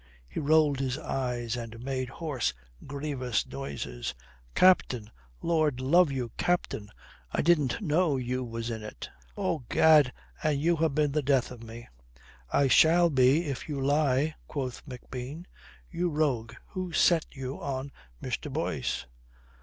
He rolled his eyes and made hoarse, grievous noises. "Captain! Lord love you, captain, I didn't know you was in it. Oh, gad, and you ha' been the death o' me,' "I shall be if you lie," quoth McBean. "You rogue, who set you on Mr. Boyce?"